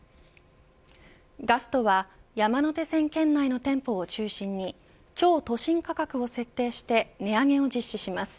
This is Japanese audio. ガストは山手線圏内の店舗を中心に超都心価格を設定して値上げを実施します。